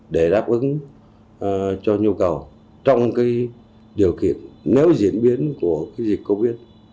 để đáp ứng cho nhu cầu trong điều kiện nếu diễn biến của dịch covid